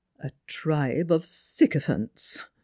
6^ " A tribe of sycopliants